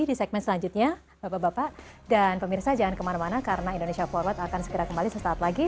di segmen selanjutnya bapak bapak dan pemirsa jangan kemana mana karena indonesia forward akan segera kembali sesaat lagi